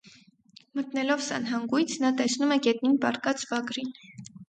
Մտնելով սանհանգույց՝ նա տեսնում է գետնին պառկած վագրին։